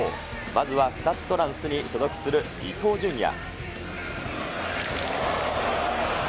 まずはスタッド・ランスに所属する伊東純也。